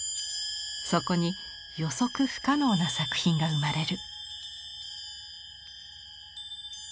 そこに予測不可能な作品が生まれる。